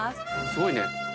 すごいね。